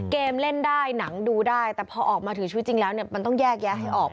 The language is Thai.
เล่นได้หนังดูได้แต่พอออกมาถือชีวิตจริงแล้วเนี่ยมันต้องแยกแยะให้ออก